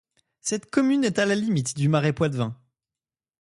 Cette commune est à la limite du Marais poitevin.